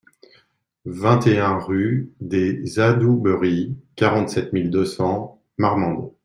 vingt et un rue des Adouberies, quarante-sept mille deux cents Marmande